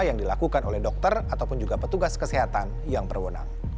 yang dilakukan oleh dokter ataupun juga petugas kesehatan yang berwenang